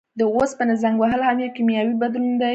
د اوسپنې زنګ وهل هم یو کیمیاوي بدلون دی.